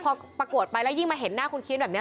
พอประกวดไปแล้วยิ่งมาเห็นหน้าคุณเคี้ยนแบบนี้